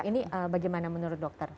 ini bagaimana menurut dokter